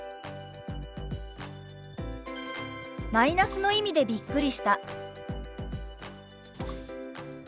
「マイナスの意味でびっくりした」。